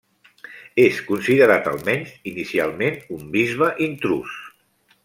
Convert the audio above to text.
És considerat, almenys inicialment, un bisbe intrús.